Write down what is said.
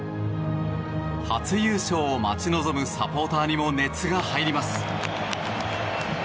初優勝を待ち望むサポーターにも熱が入ります。